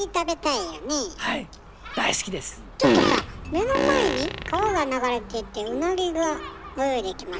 ちょっとさ目の前に川が流れていてウナギが泳いできました。